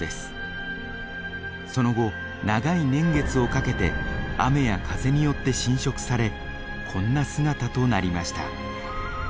その後長い年月をかけて雨や風によって浸食されこんな姿となりました。